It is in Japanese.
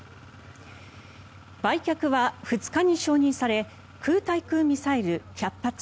売却は２日に承認され空対空ミサイル１００発